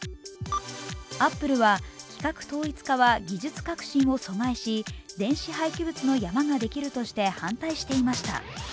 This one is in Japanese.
アップルは規格統一化は技術革新を阻害し、電子廃棄物の山ができるとして反対していました。